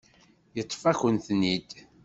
Yeṭṭef-akent-ten-id.